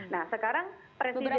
nah sekarang presiden jokowi